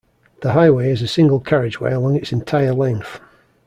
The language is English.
The highway is a single carriageway along its entire length.